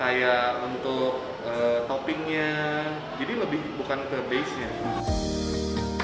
kayak untuk toppingnya jadi lebih bukan ke base nya